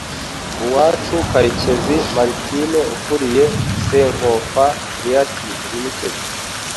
Uwacu Karekezi Martine ukuriye Sankofa Creative Ltd,